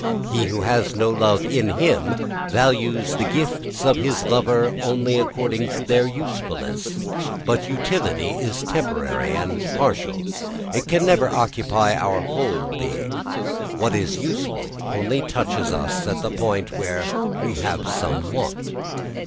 He who has no love in him values the gifts of his lover only according to their usefulness. But utility is temporary and partial. It can never occupy our whole being; what is useful only touches us at the point where we have some want.